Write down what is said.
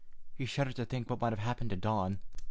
He shuddered to think what might have happened to Dawn.